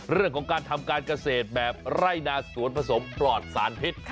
เรื่องของการทำการเกษตรแบบไร่นาสวนผสมปลอดสารพิษ